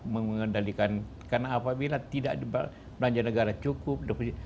mengendalikan karena apabila belanja negara tidak cukup